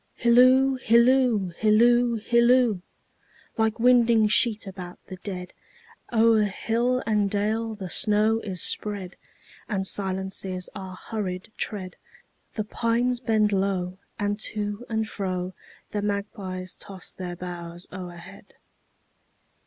Hilloo, hilloo, hilloo, hilloo! Like winding sheet about the dead, O'er hill and dale the snow is spread, And silences our hurried tread; The pines bend low, and to and froThe magpies toss their boughs o'erhead.